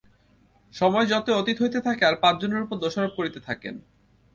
সময় যতই অতীত হইতে থাকে আর পাঁচজনের উপর দোষারোপ করিতে থাকেন।